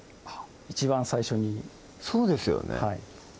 一番最初にそうですよね